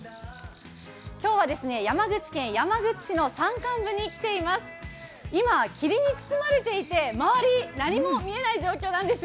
今日は山口県山口市の山間部に来ています。